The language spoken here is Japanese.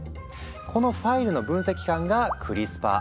このファイルの分析官が「クリスパーＲＮＡ」。